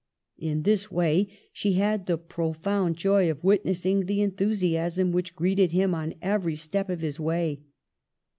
In this way she had the profound joy of wit nessing the enthusiasm which greeted him on every step of his way.